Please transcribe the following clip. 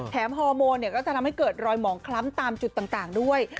ฮอร์โมนก็จะทำให้เกิดรอยหมองคล้ำตามจุดต่างด้วย